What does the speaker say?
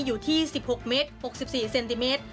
อยู่ที่๑๖เมตร๖๔เซนติเมตร